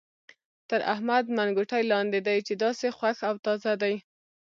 تر احمد منګوټی لاندې دی چې داسې خوښ او تازه دی.